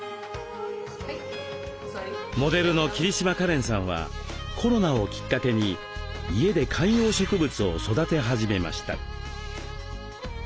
モデルの桐島かれんさんはコロナをきっかけに家で観葉植物を育て始めました。